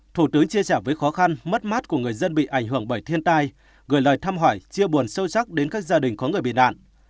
thủ tướng chia sẻ với khó khăn mất mát của người dân bị ảnh hưởng bởi thiên tai gửi lời thăm hỏi chia buồn sâu sắc đến các gia đình có người bị nạn